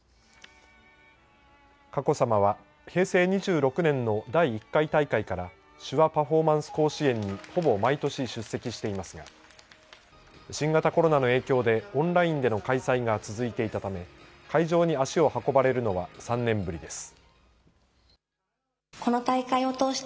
佳子さまは平成２６年の第１回大会から「手話パフォーマンス甲子園」にほぼ毎年出席していますが新型コロナの影響でオンラインでの開催が続いていたため会場に足を運ばれるのは３年ぶりです。